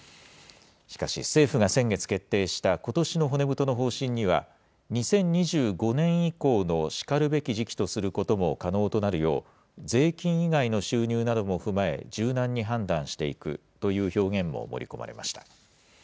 しかし、政府が先月決定したことしの骨太の方針には、２０２５年以降のしかるべき時期とすることも可能となるよう、税金以外の収入なども踏まえ、柔軟に判断していくという表現も盛り込まれました。